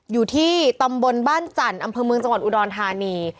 อยู่ที่ตำบลบ้านจันทร์อำเภอเมืองจังหวัดอุดรธานี